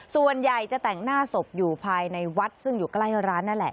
ส่วนใหญ่จะแต่งหน้าศพอยู่ภายในวัดซึ่งอยู่ใกล้ร้านนั่นแหละ